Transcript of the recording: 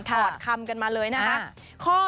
ถอดคำกันมาเลยนะคะ